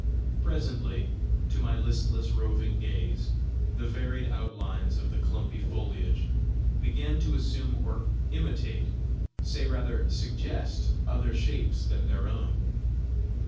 Presently, to my listless roving gaze, the varied outlines of the clumpy foliage began to assume or imitate say rather SUGGEST other shapes than their own.